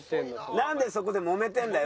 なんでそこでもめてるんだよ